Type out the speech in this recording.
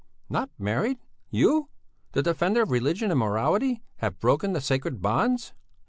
"Not married! You! The defender of religion and morality, have broken the sacred bonds!"